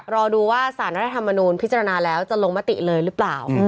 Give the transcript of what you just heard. รอดูว่าสารรัฐธรรมนูลพิจารณาแล้วจะลงมติเลยหรือเปล่า